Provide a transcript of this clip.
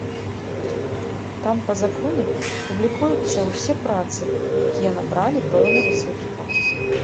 Там па законе публікуюцца ўсе працы, якія набралі пэўны высокі бал.